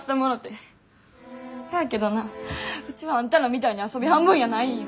せやけどなウチはあんたらみたいに遊び半分やないんや！